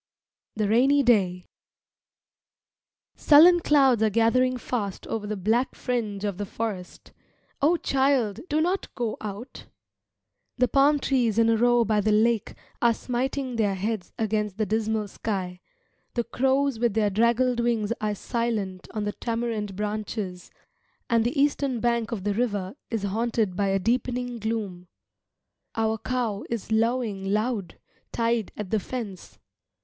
THE RAINY DAY Sullen clouds are gathering fast over the black fringe of the forest. O child, do not go out! The palm trees in a row by the lake are smiting their heads against the dismal sky; the crows with their draggled wings are silent on the tamarind branches, and the eastern bank of the river is haunted by a deepening gloom. Our cow is lowing loud, tied at the fence.